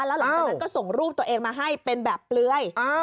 แล้วหลังจากนั้นก็ส่งรูปตัวเองมาให้เป็นแบบเปลือย